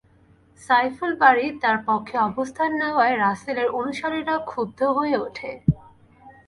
সাইফুল বারী তাঁর পক্ষে অবস্থান নেওয়ায় রাসেলের অনুসারীরা ক্ষুব্ধ হয়ে ওঠে।